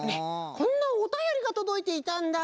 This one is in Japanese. こんなおたよりがとどいていたんだ。